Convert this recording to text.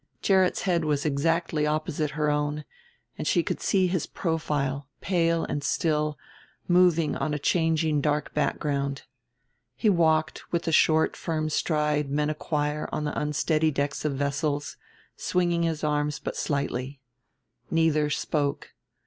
Gerrit's head was exactly opposite her own, and she could see his profile, pale and still, moving on a changing dark background. He walked with the short firm stride men acquire on the unsteady decks of vessels, swinging his arms but slightly. Neither spoke.